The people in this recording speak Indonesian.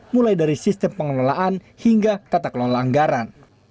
mulai dari sistem pengelolaan hingga tata kelola anggaran